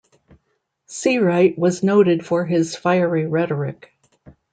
Seawright was noted for his fiery rhetoric.